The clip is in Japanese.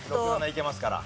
いけますから。